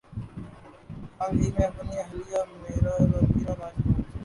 حال ہی میں اپنی اہلیہ میرا راجپوت